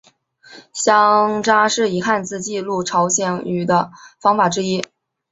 乡札是以汉字记录朝鲜语的方法之一。